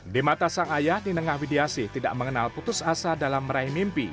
di mata sang ayah ninengah widiasih tidak mengenal putus asa dalam meraih mimpi